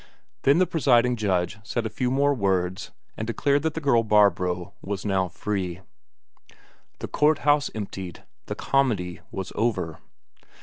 Then the presiding judge said a few more words, and declared that the girl Barbro was now free. The court house emptied, the comedy was over....